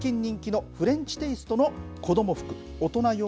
最近人気のフレンチテイストの子ども服。